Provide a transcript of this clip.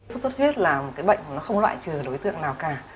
sốt xuất huyết là một cái bệnh không loại trừ đối tượng nào cả